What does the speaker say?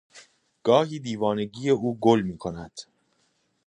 گاهی دیوانگی او گل میکند.